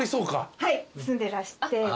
はい住んでらして。